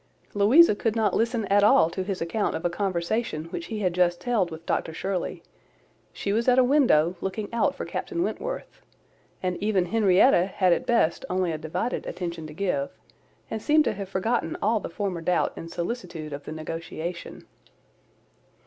Louisa could not listen at all to his account of a conversation which he had just held with Dr Shirley: she was at a window, looking out for Captain Wentworth; and even Henrietta had at best only a divided attention to give, and seemed to have forgotten all the former doubt and solicitude of the negotiation.